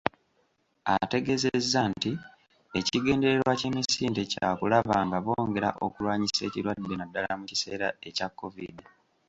Ategeezezza nti ekigendererwa ky'emisinde kyakulaba nga bongera okulwanyisa ekirwadde naddala mu kiseera ekya kovidi.